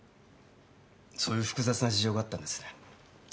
そういう複雑な事情があったんですね。